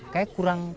kayak kurang semangat